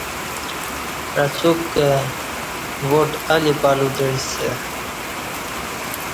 پعڅوک کں واٹ الی پلو تعیسہ